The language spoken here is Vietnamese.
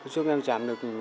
giúp em giảm được